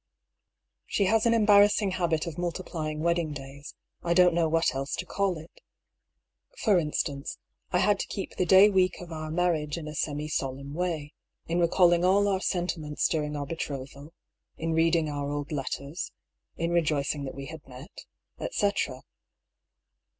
She has an embarrassing habit of multiplying wed ding days : I don't know what else to call it. For in stance, I had to keep the day week of our marriage in a semi solemn way : in recalling all our sentiments during 10 140 I>R. PAULL'S THEORY. our betrothal, in reading our old letters, in rejoicing that we had met, etcetera.